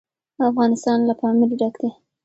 افغانستان له پامیر ډک دی.